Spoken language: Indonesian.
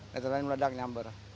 meteran yang meledak nyamber